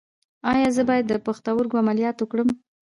ایا زه باید د پښتورګو عملیات وکړم؟